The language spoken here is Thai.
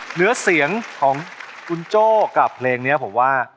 เหนือเสียงของคุณโจ้กับเพลงนี้ผมว่า